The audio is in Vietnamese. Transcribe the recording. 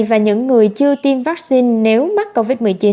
và những người chưa tiêm vaccine nếu mắc covid một mươi chín